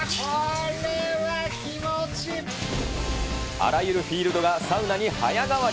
あらゆるフィールドがサウナに早変わり。